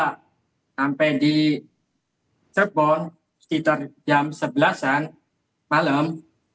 sampai di cirebon sekitar jam sebelas an malam